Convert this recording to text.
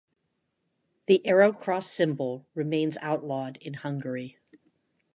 The arrow cross symbol remains outlawed in Hungary.